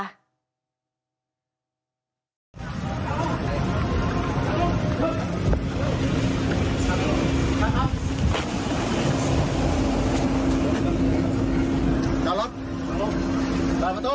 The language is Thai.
เหลือประตู